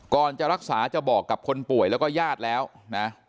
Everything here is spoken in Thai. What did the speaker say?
ก่อนจะรักษาจะบอกกับคนป่วยแล้วก็ญาติแล้วนะ